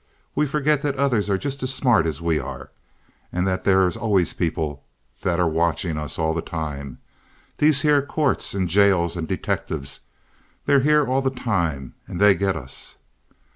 We forget that others are just as smart as we are, and that there are allers people that are watchin' us all the time. These here courts and jails and detectives—they're here all the time, and they get us.